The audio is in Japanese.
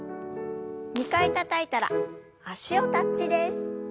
２回たたいたら脚をタッチです。